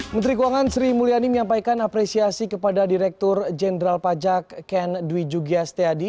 menteri keuangan sri mulyani menyampaikan apresiasi kepada direktur jenderal pajak ken dwi jugias teadi